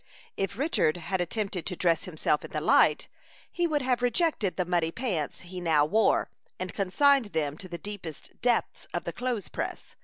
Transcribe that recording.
If Richard had attempted to dress himself in the light, he would have rejected the muddy pants he now wore, and consigned them to the deepest depths of the clothes press.